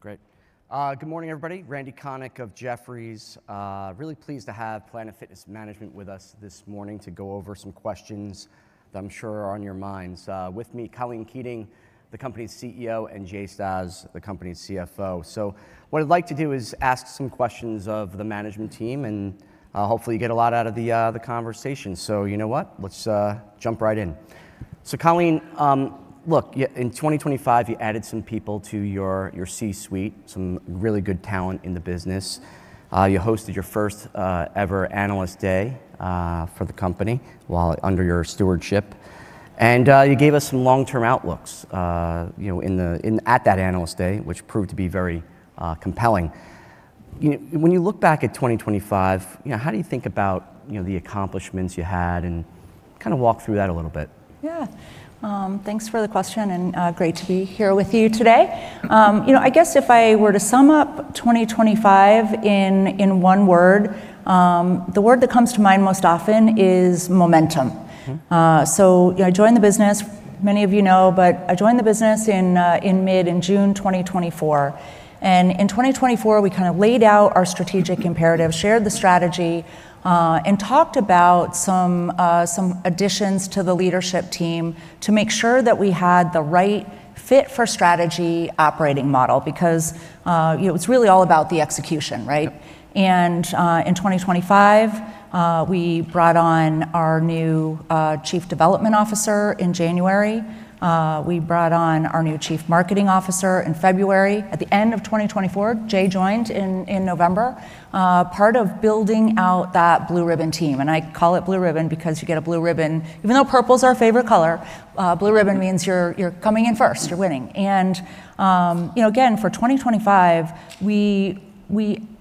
Great. Good morning, everybody. Randal Konik of Jefferies. Really pleased to have Planet Fitness management with us this morning to go over some questions that I'm sure are on your minds. With me, Colleen Keating, the company's CEO, and Jay Stasz, the company's CFO. So what I'd like to do is ask some questions of the management team, and hopefully you get a lot out of the conversation. So you know what? Let's jump right in. So Colleen, look, in 2025, you added some people to your C-suite, some really good talent in the business. You hosted your first ever analyst day for the company under your stewardship. And you gave us some long-term outlooks at that analyst day, which proved to be very compelling. When you look back at 2025, how do you think about the accomplishments you had? And kind of walk through that a little bit. Yeah. Thanks for the question, and great to be here with you today. I guess if I were to sum up 2025 in one word, the word that comes to mind most often is momentum. So I joined the business, many of you know, but I joined the business in mid-June 2024. And in 2024, we kind of laid out our strategic imperatives, shared the strategy, and talked about some additions to the leadership team to make sure that we had the right fit for strategy operating model, because it's really all about the execution, right? And in 2025, we brought on our new Chief Development Officer in January. We brought on our new Chief Marketing Officer in February. At the end of 2024, Jay joined in November, part of building out that blue ribbon team. And I call it blue ribbon because you get a blue ribbon, even though purple is our favorite color. Blue ribbon means you're coming in first. You're winning. And again, for 2025, we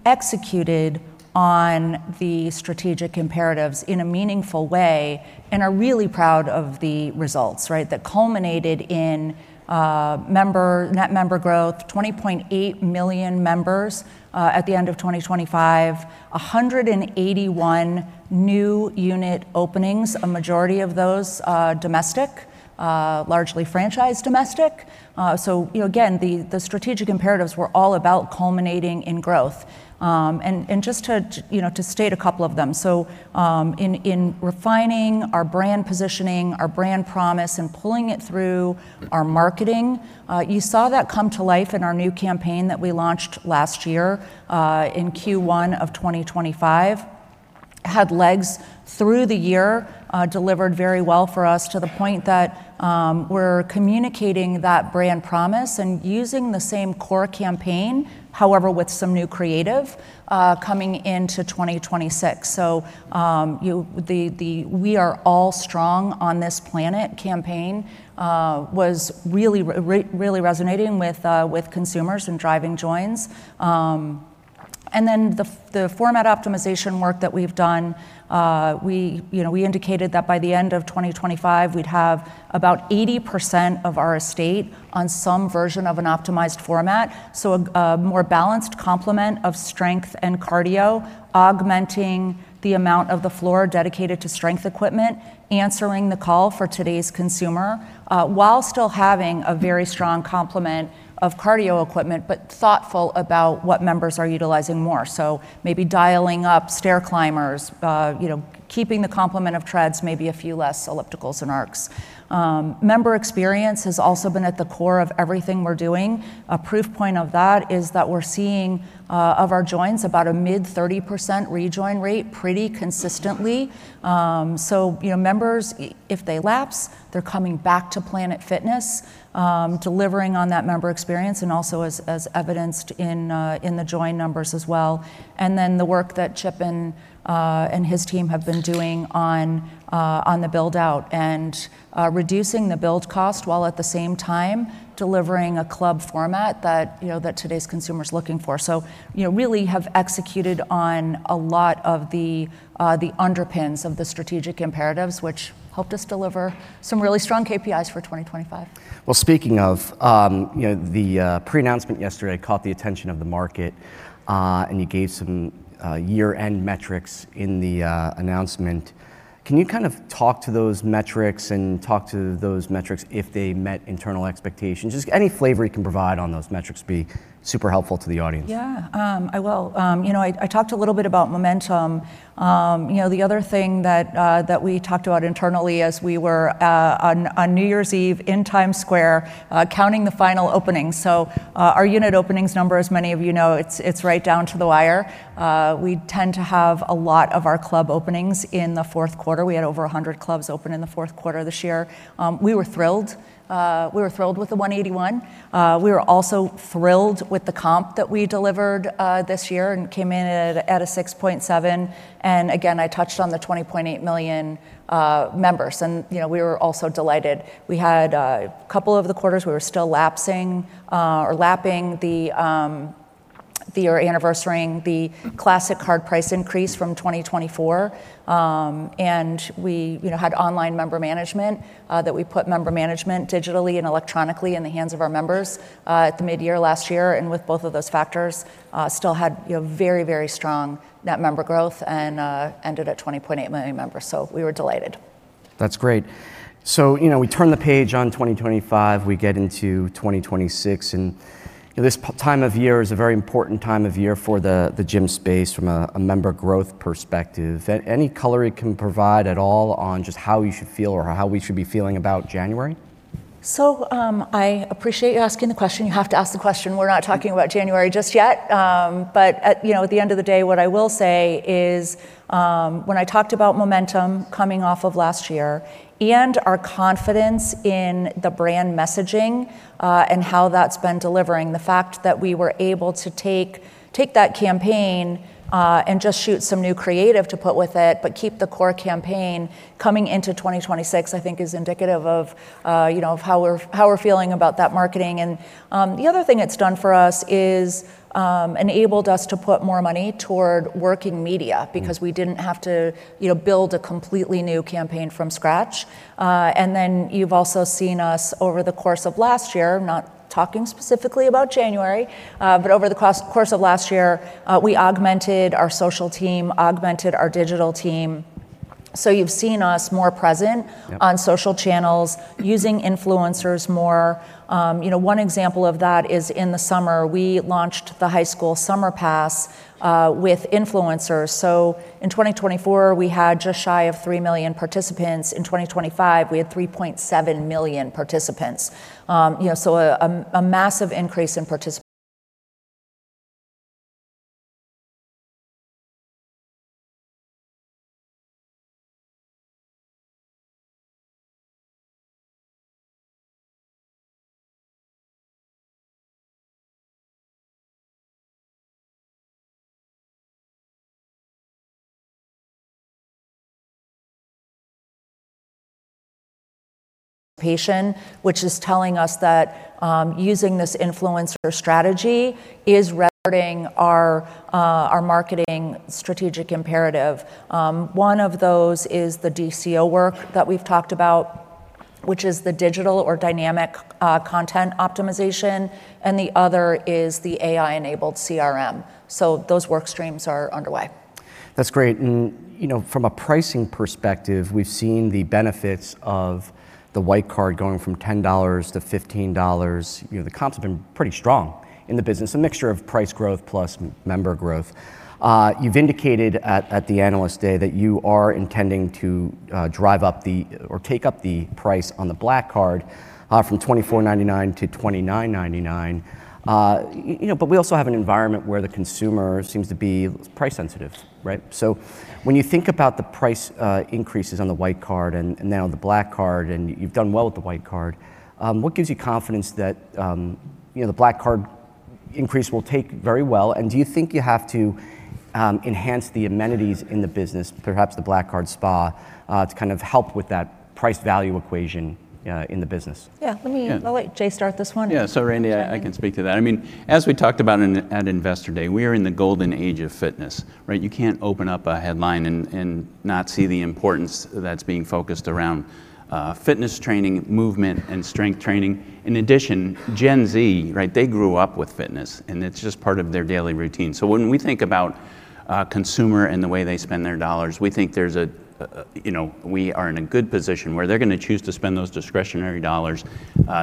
executed on the strategic imperatives in a meaningful way and are really proud of the results, right, that culminated in net member growth, 20.8 million members at the end of 2025, 181 new unit openings, a majority of those domestic, largely franchise domestic. So again, the strategic imperatives were all about culminating in growth. And just to state a couple of them, so in refining our brand positioning, our brand promise, and pulling it through our marketing, you saw that come to life in our new campaign that we launched last year in Q1 of 2025, had legs through the year, delivered very well for us to the point that we're communicating that brand promise and using the same core campaign, however, with some new creative coming into 2026. So the "We Are All Strong on This Planet" campaign was really resonating with consumers and driving joins. The format optimization work that we've done. We indicated that by the end of 2025, we'd have about 80% of our estate on some version of an optimized format, so a more balanced complement of strength and cardio, augmenting the amount of the floor dedicated to strength equipment, answering the call for today's consumer while still having a very strong complement of cardio equipment, but thoughtful about what members are utilizing more. So maybe dialing up stair climbers, keeping the complement of treads, maybe a few less ellipticals and Arcs. Member experience has also been at the core of everything we're doing. A proof point of that is that we're seeing of our joins about a mid-30% rejoin rate pretty consistently. So members, if they lapse, they're coming back to Planet Fitness, delivering on that member experience, and also as evidenced in the join numbers as well. And then the work that Chip and his team have been doing on the build-out and reducing the build cost while at the same time delivering a club format that today's consumer is looking for. So really have executed on a lot of the underpins of the strategic imperatives, which helped us deliver some really strong KPIs for 2025. Speaking of, the pre-announcement yesterday caught the attention of the market, and you gave some year-end metrics in the announcement. Can you kind of talk to those metrics if they met internal expectations? Just any flavor you can provide on those metrics would be super helpful to the audience. Yeah, I will. I talked a little bit about momentum. The other thing that we talked about internally, as we were on New Year's Eve in Times Square counting the final openings. So our unit openings number, as many of you know, it's right down to the wire. We tend to have a lot of our club openings in the fourth quarter. We had over 100 clubs open in the fourth quarter this year. We were thrilled. We were thrilled with the 181. We were also thrilled with the comp that we delivered this year and came in at 6.7%. Again, I touched on the 20.8 million members, and we were also delighted. We had a couple of the quarters we were still lapsing or lapping the anniversary Classic Card price increase from 2024. And we had online member management that we put member management digitally and electronically in the hands of our members at the midyear last year. And with both of those factors, still had very, very strong net member growth and ended at 20.8 million members. So we were delighted. That's great, so we turn the page on 2025, we get into 2026, and this time of year is a very important time of year for the gym space from a member growth perspective. Any color it can provide at all on just how you should feel or how we should be feeling about January? So I appreciate you asking the question. You have to ask the question. We're not talking about January just yet. But at the end of the day, what I will say is when I talked about momentum coming off of last year and our confidence in the brand messaging and how that's been delivering, the fact that we were able to take that campaign and just shoot some new creative to put with it, but keep the core campaign coming into 2026, I think is indicative of how we're feeling about that marketing. And the other thing it's done for us is enabled us to put more money toward working media because we didn't have to build a completely new campaign from scratch. Then you've also seen us over the course of last year, not talking specifically about January, but over the course of last year, we augmented our social team, augmented our digital team. You've seen us more present on social channels, using influencers more. One example of that is in the summer, we launched the High School Summer Pass with influencers. In 2024, we had just shy of three million participants. In 2025, we had 3.7 million participants. That is a massive increase in participation. That, which is telling us that using this influencer strategy is reinforcing our marketing strategic imperatives. One of those is the DCO work that we've talked about, which is the dynamic content optimization. The other is the AI-enabled CRM. Those work streams are underway. That's great. And from a pricing perspective, we've seen the benefits of the White Card going from $10 to $15. The comps have been pretty strong in the business, a mixture of price growth plus member growth. You've indicated at the analyst day that you are intending to drive up or take up the price on the Black Card from $24.99 to $29.99. But we also have an environment where the consumer seems to be price sensitive, right? So when you think about the price increases on the White Card and now the Black Card, and you've done well with the White Card, what gives you confidence that the Black Card increase will take very well? And do you think you have to enhance the amenities in the business, perhaps the Black Card Spa, to kind of help with that price value equation in the business? Yeah, let Jay start this one. Yeah, so Randy, I can speak to that. I mean, as we talked about at Investor Day, we are in the golden age of fitness, right? You can't open up a headline and not see the importance that's being focused around fitness training, movement, and strength training. In addition, Gen Z, right, they grew up with fitness, and it's just part of their daily routine. So when we think about consumer and the way they spend their dollars, we think we are in a good position where they're going to choose to spend those discretionary dollars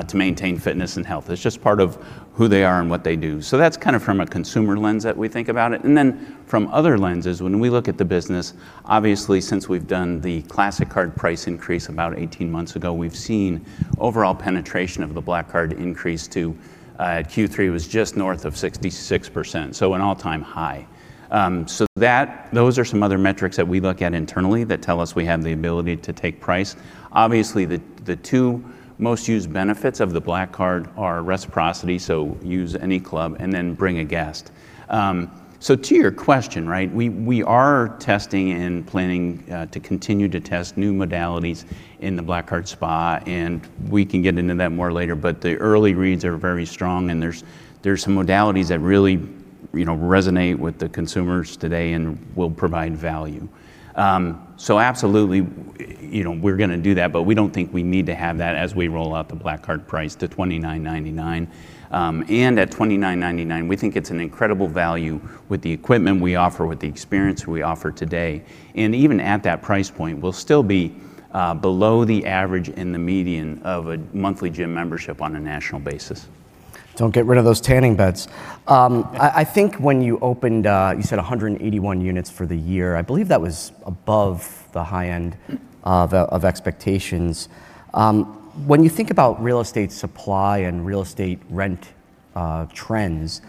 to maintain fitness and health. It's just part of who they are and what they do. So that's kind of from a consumer lens that we think about it. And then from other lenses, when we look at the business, obviously, since we've done the Classic Card price increase about 18 months ago, we've seen overall penetration of the Black Card increase. To Q3, it was just north of 66%, so an all-time high. So those are some other metrics that we look at internally that tell us we have the ability to take price. Obviously, the two most used benefits of the Black Card are reciprocity, so use any club and then bring a guest. So to your question, right, we are testing and planning to continue to test new modalities in the Black Card Spa, and we can get into that more later. But the early reads are very strong, and there's some modalities that really resonate with the consumers today and will provide value. So absolutely, we're going to do that, but we don't think we need to have that as we roll out the Black Card price to $29.99. And at $29.99, we think it's an incredible value with the equipment we offer, with the experience we offer today. And even at that price point, we'll still be below the average and the median of a monthly gym membership on a national basis. Don't get rid of those tanning beds. I think when you opened, you said 181 units for the year. I believe that was above the high end of expectations. When you think about real estate supply and real estate rent trends,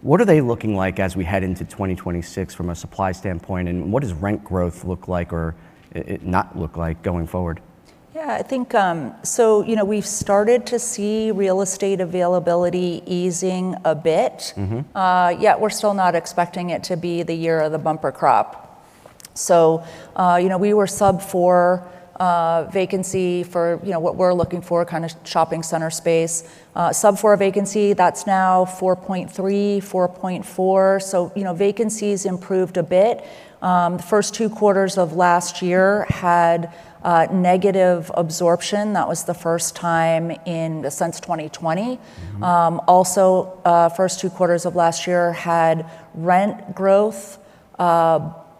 what are they looking like as we head into 2026 from a supply standpoint? And what does rent growth look like or not look like going forward? Yeah, I think so we've started to see real estate availability easing a bit. Yet we're still not expecting it to be the year of the bumper crop. So we were sub-4 vacancy for what we're looking for, kind of shopping center space. Sub-4 vacancy, that's now 4.3%-4.4%. So vacancies improved a bit. The first two quarters of last year had negative absorption. That was the first time since 2020. Also, first two quarters of last year had rent growth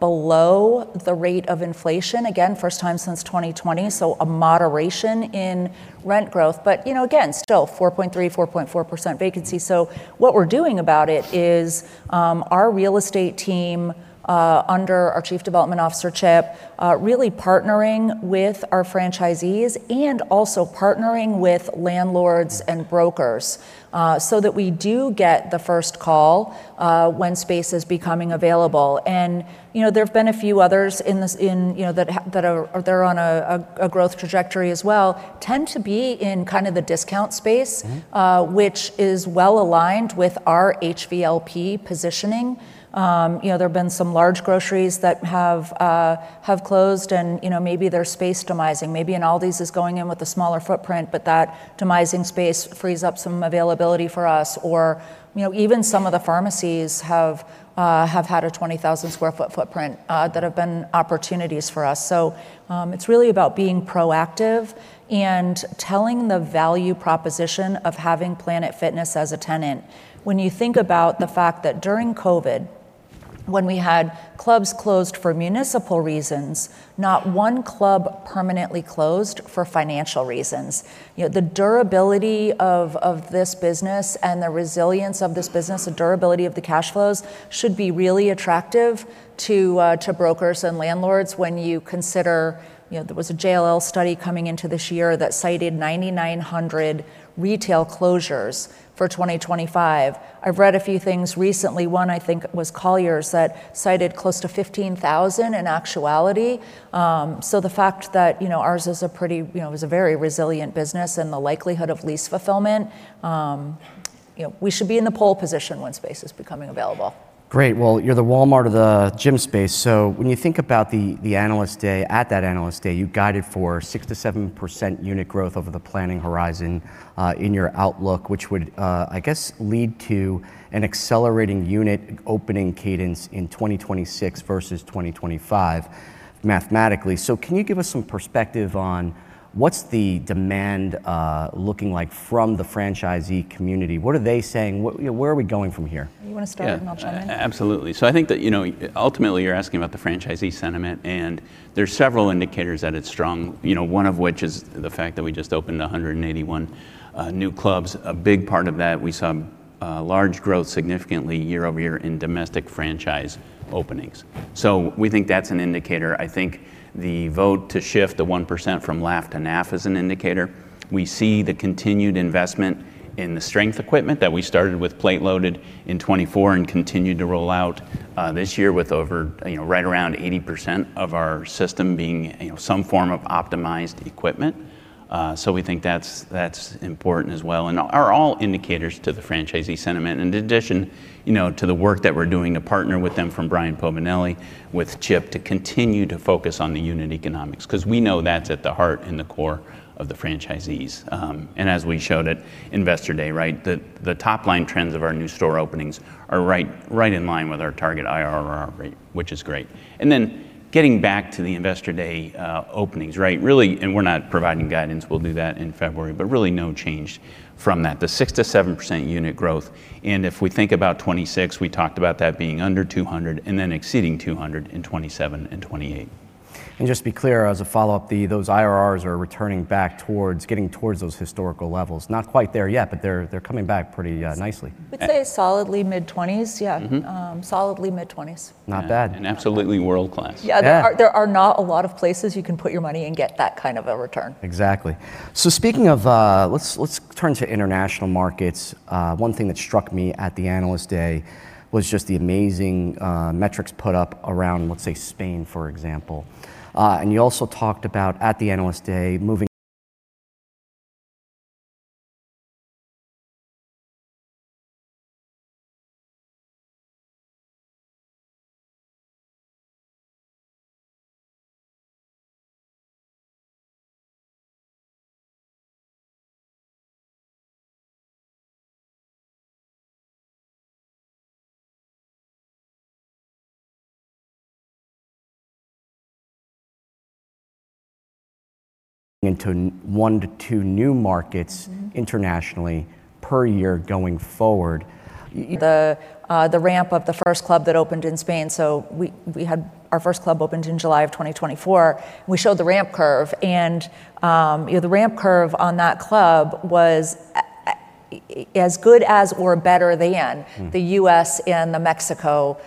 below the rate of inflation. Again, first time since 2020, so a moderation in rent growth. But again, still 4.3%-4.4% vacancy. So what we're doing about it is our real estate team under our Chief Development Officer, Chip, really partnering with our franchisees and also partnering with landlords and brokers so that we do get the first call when space is becoming available. And there've been a few others that are on a growth trajectory as well, tend to be in kind of the discount space, which is well aligned with our HVLP positioning. There have been some large groceries that have closed, and maybe they're space demising. Maybe an Aldi is going in with a smaller footprint, but that demising space frees up some availability for us. Or even some of the pharmacies have had a 20,000 sq ft footprint that have been opportunities for us. So it's really about being proactive and telling the value proposition of having Planet Fitness as a tenant. When you think about the fact that during COVID, when we had clubs closed for municipal reasons, not one club permanently closed for financial reasons. The durability of this business and the resilience of this business, the durability of the cash flows should be really attractive to brokers and landlords when you consider there was a JLL study coming into this year that cited 9,900 retail closures for 2025. I've read a few things recently. One, I think it was Colliers that cited close to 15,000 in actuality. So the fact that ours is a very resilient business and the likelihood of lease fulfillment, we should be in the pole position when space is becoming available. Great. Well, you're the Walmart of the gym space. So when you think about the analyst day at that analyst day, you guided for 6%-7% unit growth over the planning horizon in your outlook, which would, I guess, lead to an accelerating unit opening cadence in 2026 versus 2025 mathematically. So can you give us some perspective on what's the demand looking like from the franchisee community? What are they saying? Where are we going from here? You want to start with Mel Chamlin? Absolutely. So I think that ultimately you're asking about the franchisee sentiment, and there's several indicators that it's strong, one of which is the fact that we just opened 181 new clubs. A big part of that, we saw large growth significantly year over year in domestic franchise openings. So we think that's an indicator. I think the vote to shift the 1% from LAF to NAF is an indicator. We see the continued investment in the strength equipment that we started with plate loaded in 2024 and continued to roll out this year with over right around 80% of our system being some form of optimized equipment. So we think that's important as well and are all indicators to the franchisee sentiment. In addition to the work that we're doing to partner with them from Brian Pomenelli with Chip to continue to focus on the unit economics because we know that's at the heart and the core of the franchisees. And as we showed at Investor Day, right, the top line trends of our new store openings are right in line with our target IRR rate, which is great. And then getting back to the Investor Day openings, right, really, and we're not providing guidance, we'll do that in February, but really no change from that, the 6%-7% unit growth. And if we think about 2026, we talked about that being under 200 and then exceeding 200 in 2027 and 2028. Just to be clear, as a follow-up, those IRRs are returning back towards getting towards those historical levels. Not quite there yet, but they're coming back pretty nicely. I would say solidly mid-20s, yeah. Solidly mid-20s. Not bad. Absolutely world-class. Yeah, there are not a lot of places you can put your money and get that kind of a return. Exactly. So speaking of, let's turn to international markets. One thing that struck me at the Analyst Day was just the amazing metrics put up around, let's say, Spain, for example. And you also talked about, at the Analyst Day, into one to two new markets internationally per year going forward. The ramp of the first club that opened in Spain. So we had our first club opened in July of 2024. We showed the ramp curve, and the ramp curve on that club was as good as or better than the U.S. and the Mexico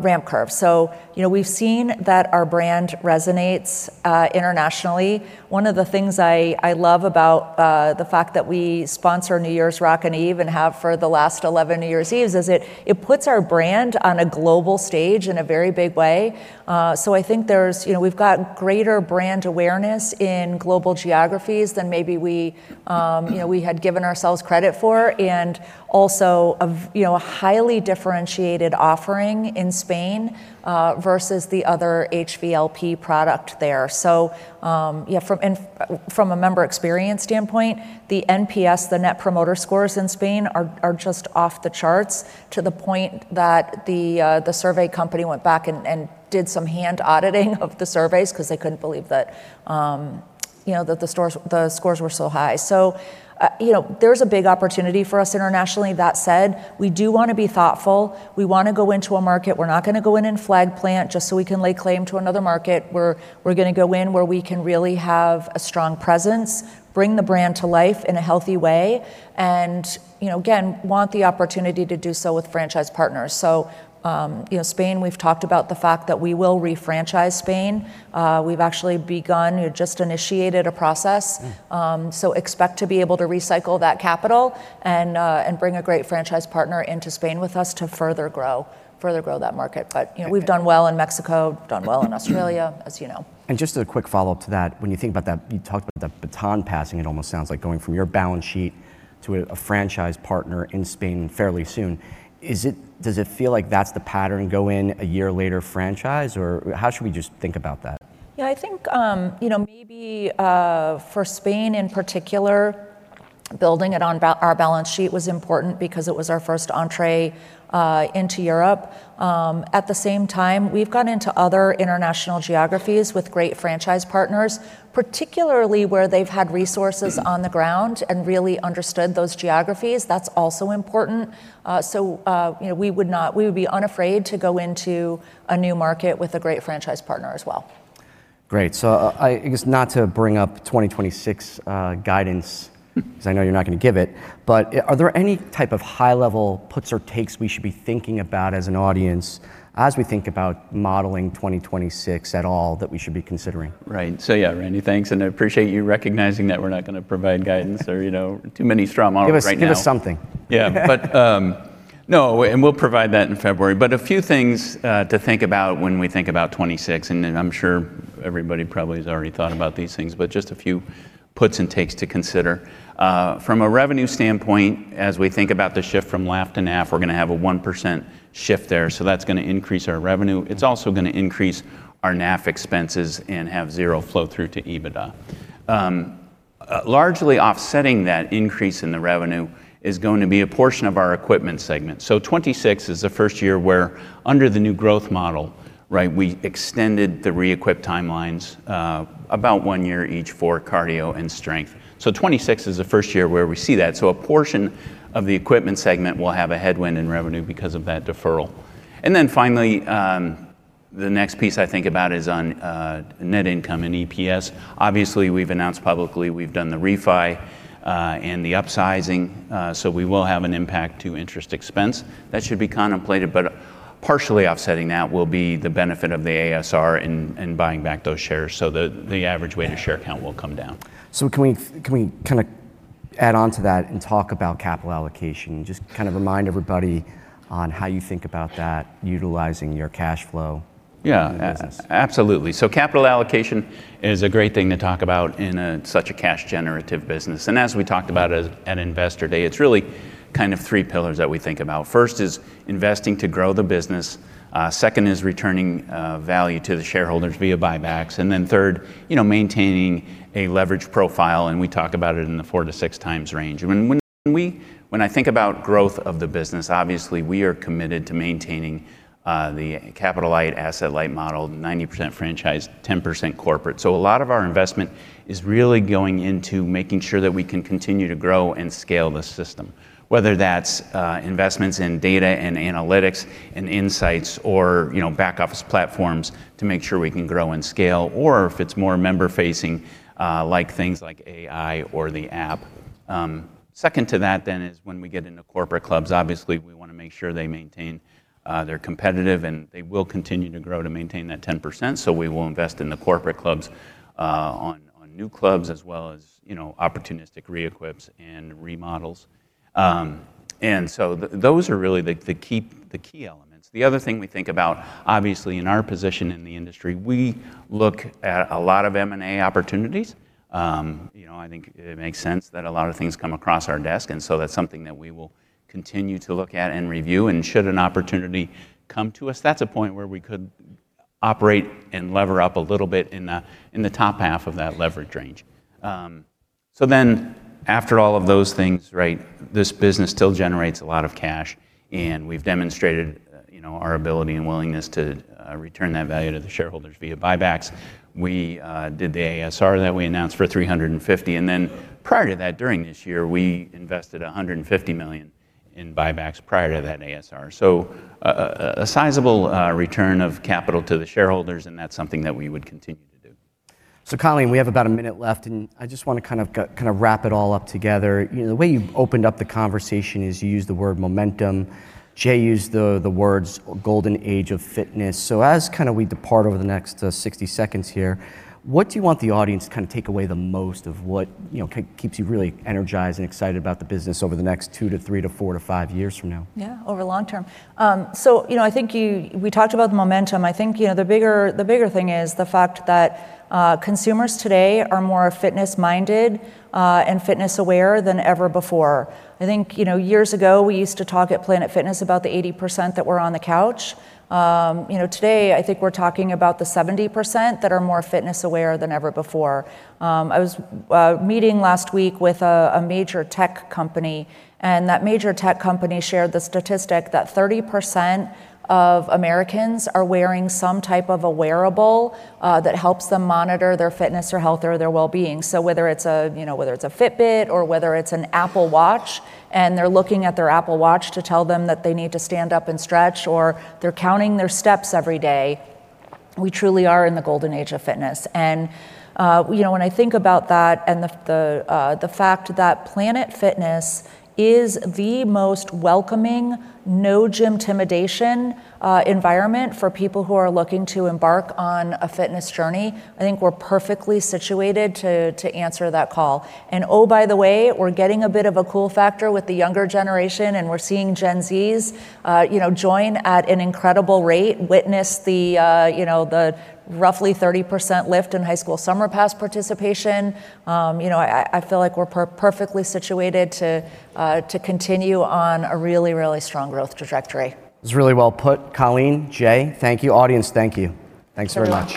ramp curve. So we've seen that our brand resonates internationally. One of the things I love about the fact that we sponsor New Year's Rockin' Eve and have for the last 11 New Year's Eves is it puts our brand on a global stage in a very big way. So I think we've got greater brand awareness in global geographies than maybe we had given ourselves credit for and also a highly differentiated offering in Spain versus the other HVLP product there. So from a member experience standpoint, the NPS, the Net Promoter Scores in Spain are just off the charts to the point that the survey company went back and did some hand auditing of the surveys because they couldn't believe that the scores were so high. So there's a big opportunity for us internationally. That said, we do want to be thoughtful. We want to go into a market. We're not going to go in and flag plant just so we can lay claim to another market. We're going to go in where we can really have a strong presence, bring the brand to life in a healthy way, and again, want the opportunity to do so with franchise partners. So Spain, we've talked about the fact that we will refranchise Spain. We've actually begun, just initiated a process. So expect to be able to recycle that capital and bring a great franchise partner into Spain with us to further grow that market. But we've done well in Mexico, done well in Australia, as you know. And just as a quick follow-up to that, when you think about that, you talked about the baton passing. It almost sounds like going from your balance sheet to a franchise partner in Spain fairly soon. Does it feel like that's the pattern going in a year later to franchise, or how should we just think about that? Yeah, I think maybe for Spain in particular, building it on our balance sheet was important because it was our first entree into Europe. At the same time, we've gone into other international geographies with great franchise partners, particularly where they've had resources on the ground and really understood those geographies. That's also important. So we would be unafraid to go into a new market with a great franchise partner as well. Great. So I guess not to bring up 2026 guidance because I know you're not going to give it, but are there any type of high-level puts or takes we should be thinking about as an audience as we think about modeling 2026 at all that we should be considering? Right. So yeah, Randy, thanks. And I appreciate you recognizing that we're not going to provide guidance or too many straw models right now. Give us something. Yeah, but no, and we'll provide that in February. But a few things to think about when we think about 2026, and I'm sure everybody probably has already thought about these things, but just a few puts and takes to consider. From a revenue standpoint, as we think about the shift from LAF to NAF, we're going to have a 1% shift there. So that's going to increase our revenue. It's also going to increase our NAF expenses and have zero flow-through to EBITDA. Largely offsetting that increase in the revenue is going to be a portion of our equipment segment. So 2026 is the first year where under the new growth model, right, we extended the re-equip timelines about one year each for cardio and strength. So 2026 is the first year where we see that. So a portion of the equipment segment will have a headwind in revenue because of that deferral. And then finally, the next piece I think about is on net income and EPS. Obviously, we've announced publicly we've done the refi and the upsizing. So we will have an impact to interest expense. That should be contemplated, but partially offsetting that will be the benefit of the ASR and buying back those shares. So the average weighted share count will come down. So can we kind of add on to that and talk about capital allocation and just kind of remind everybody on how you think about that, utilizing your cash flow? Yeah, absolutely. So capital allocation is a great thing to talk about in such a cash-generative business. And as we talked about at Investor Day, it's really kind of three pillars that we think about. First is investing to grow the business. Second is returning value to the shareholders via buybacks. And then third, maintaining a leveraged profile. And we talk about it in the four-to-six times range. When I think about growth of the business, obviously we are committed to maintaining the capital-light, asset-light model, 90% franchise, 10% corporate. So a lot of our investment is really going into making sure that we can continue to grow and scale the system, whether that's investments in data and analytics and insights or back-office platforms to make sure we can grow and scale, or if it's more member-facing, like things like AI or the app. Second to that, then, is when we get into corporate clubs. Obviously, we want to make sure they maintain their competitiveness and they will continue to grow to maintain that 10%. So we will invest in the corporate clubs on new clubs as well as opportunistic re-equips and remodels. And so those are really the key elements. The other thing we think about, obviously in our position in the industry, we look at a lot of M&A opportunities. I think it makes sense that a lot of things come across our desk. And so that's something that we will continue to look at and review. And should an opportunity come to us, that's a point where we could operate and lever up a little bit in the top half of that leverage range. So then after all of those things, right, this business still generates a lot of cash. We've demonstrated our ability and willingness to return that value to the shareholders via buybacks. We did the ASR that we announced for $350 million. Then prior to that, during this year, we invested $150 million in buybacks prior to that ASR. A sizable return of capital to the shareholders, and that's something that we would continue to do. So Colleen, we have about a minute left, and I just want to kind of wrap it all up together. The way you've opened up the conversation is you used the word momentum. Jay used the words golden age of fitness. So as kind of we depart over the next 60 seconds here, what do you want the audience to kind of take away the most of what keeps you really energized and excited about the business over the next two to three to four to five years from now? Yeah, over long term. So I think we talked about the momentum. I think the bigger thing is the fact that consumers today are more fitness-minded and fitness-aware than ever before. I think years ago we used to talk at Planet Fitness about the 80% that were on the couch. Today, I think we're talking about the 70% that are more fitness-aware than ever before. I was meeting last week with a major tech company, and that major tech company shared the statistic that 30% of Americans are wearing some type of a wearable that helps them monitor their fitness, their health, or their well-being. So whether it's a Fitbit or whether it's an Apple Watch, and they're looking at their Apple Watch to tell them that they need to stand up and stretch or they're counting their steps every day, we truly are in the golden age of fitness. And when I think about that and the fact that Planet Fitness is the most welcoming, No Gymtimidation environment for people who are looking to embark on a fitness journey, I think we're perfectly situated to answer that call. And oh, by the way, we're getting a bit of a cool factor with the younger generation, and we're seeing Gen Zs join at an incredible rate, witness the roughly 30% lift in high school summer pass participation. I feel like we're perfectly situated to continue on a really, really strong growth trajectory. It's really well put, Colleen, Jay. Thank you. Audience, thank you. Thanks very much.